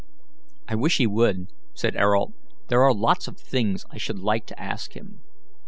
"I wish he would," said Ayrault; "there are lots of things I should like to ask him."